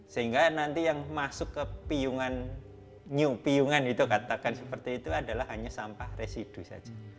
sehingga nanti yang masuk ke new piungan itu katakan seperti itu adalah hanya sampah residu saja